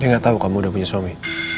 dia gak tau kamu udah punya suami